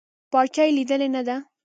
پارچه يې ليدلې نده.